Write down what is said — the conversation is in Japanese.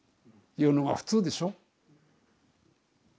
言うのが普通でしょ。